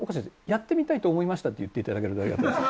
「やってみたいと思いました」って言って頂けるだけで。